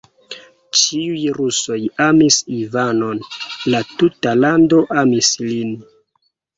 Ĉiuj rusoj amis Ivanon, la tuta lando amis lin.